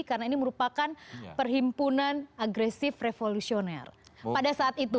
karena ini merupakan perhimpunan agresif revolusioner pada saat itu